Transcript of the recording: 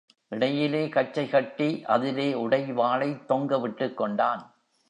இடையிலே கச்சை கட்டி, அதிலே உடைவாளைத் தொங்கவிட்டுக்கொண்டான்.